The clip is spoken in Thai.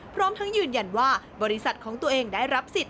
พร้อมทั้งยืนยันว่าบริษัทของตัวเองได้รับสิทธิ